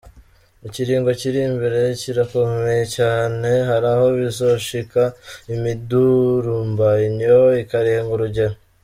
Ikiringo kiri imbere kirakomeye cane, haraho bizoshika imidurumbanyo ikarenga urugero.